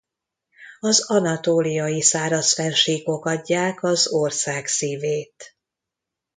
Az anatóliai száraz fennsíkok adják az ország szívét.